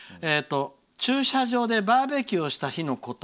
駐車場でバーベキューをした日のこと。